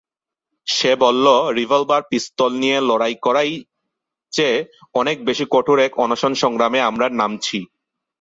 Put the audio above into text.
সে বলল, রিভলবার পিস্তল নিয়ে লড়াই করাই চেয়ে অনেক বেশি কঠোর এক অনশন সংগ্রামে আমরা নামছি।